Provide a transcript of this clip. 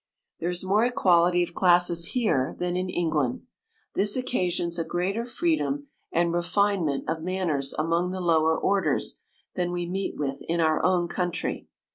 There is more equality of classes here than in England. This occasions a greater freedom and refinement of man ners among the lower orders than we meet with in our own country.